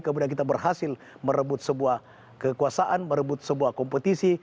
kemudian kita berhasil merebut sebuah kekuasaan merebut sebuah kompetisi